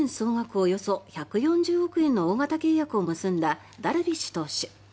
およそ１４０億円の大型契約を結んだダルビッシュ投手。